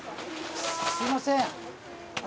すいません。